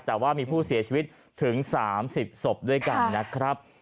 แต่ว่ามีผู้เสียชีวิตถึง๓๐ศพด้วยกันนะครับ